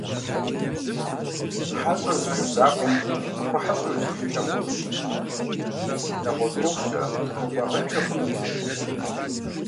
Хьэщӏэр зы жэщ закъуэм къыхуэхьэщӏэу ежьэжынкӏэ хъунут, нэгъуэщӏ ӏуэхукӏэ къыхуэкӏуагъэнкӏэ хъунут.